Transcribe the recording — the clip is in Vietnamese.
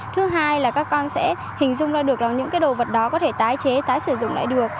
thứ hai là các con sẽ hình dung ra được những cái đồ vật đó có thể tái chế tái sử dụng lại được